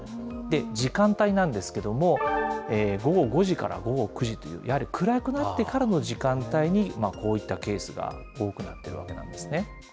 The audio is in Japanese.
時間帯なんですけれども、午後５時から午後９時という、やはり、暗くなってからの時間帯にこういったケースが多くなってるわけなんですね。